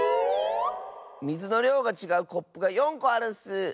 みずのりょうがちがうコップが４こあるッス。